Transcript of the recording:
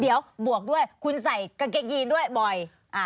เดี๋ยวบวกด้วยคุณใส่กางเกงยีนด้วยบ่อย